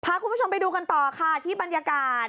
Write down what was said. พาคุณผู้ชมไปดูกันต่อค่ะที่บรรยากาศ